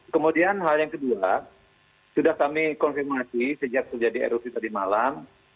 kemudian hal yang kedua sudah kami konfirmasi sejak terjadi erupsi tadi malam